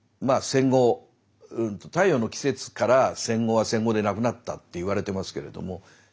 戦後「太陽の季節」から戦後は戦後でなくなったって言われてますけれども。